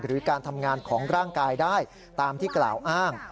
หรือการทำงานของร่างกายได้ตามที่กล่าวอ้าง